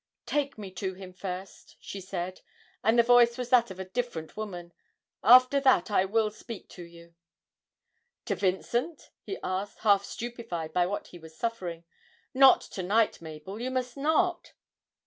'Take me to him first,' she said, and the voice was that of a different woman, 'after that I will speak to you.' 'To Vincent?' he asked, half stupefied by what he was suffering. 'Not to night, Mabel, you must not!'